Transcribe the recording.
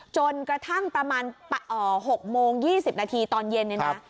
จนกระทั่งประมาณ๖โมง๒๐นาทีตอนเย็นเนี่ยนะ